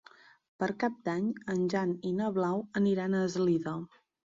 Per Cap d'Any en Jan i na Blau aniran a Eslida.